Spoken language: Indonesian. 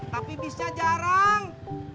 tapi bisnya jarang